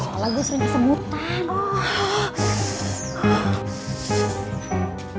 salah gue sering kesebutan